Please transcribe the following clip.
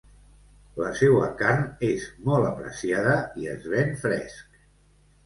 La seua carn és molt apreciada i es ven fresc.